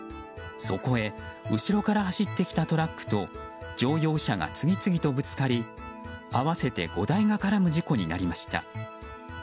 そこへ後ろから走ってきたトラックと乗用車が次々とぶつかり合わせて５台が絡む事故になりました。